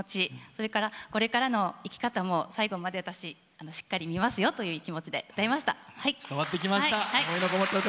それから、これからの生き方も最後まで、私、しっかり見ますよという気持ちで歌いました。